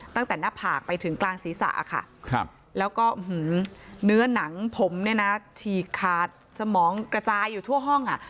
ตั้งแต่หน้าผากไปถึงกลางศีรษะค่ะแล้วก็เนื้อหนังผมเนี่ยนะฉีกขาดสมองกระจายอยู่ทั่วห้องอ่ะ